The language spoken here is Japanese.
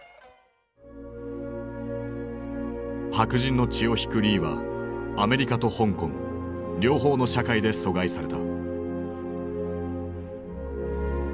白人の血を引くリーはアメリカと香港両方の社会で疎外された。